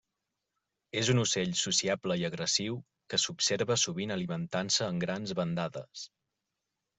És un ocell sociable i agressiu que s'observa sovint alimentant-se en grans bandades.